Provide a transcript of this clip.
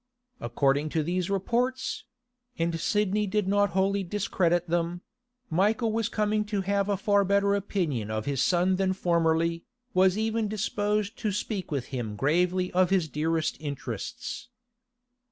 According to these reports—and Sidney did not wholly discredit them—Michael was coming to have a far better opinion of his son than formerly, was even disposed to speak with him gravely of his dearest interests.